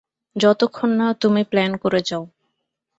যতক্ষণ না, তুমি প্ল্যান করে যাও।